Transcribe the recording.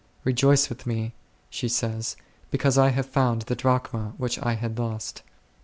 "Rejoice with me," she says, "because I have found the Drachma which I had lost."